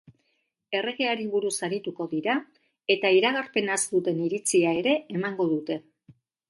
Erregeari buruz arituko dira, eta iragarpenaz duten iritzia ere emango dute.